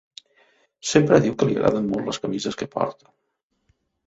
Sempre diu que li agraden molt les camises que porta.